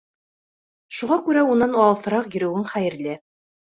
Шуға күрә унан алыҫыраҡ йөрөүең хәйерле.